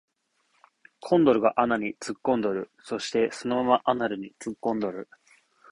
コンドルが穴に突っ込んどる